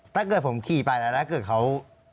ถ้าเกิดผมขี่ไปแล้วถ้าเกิดเขา